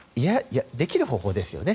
できる方法ですよね。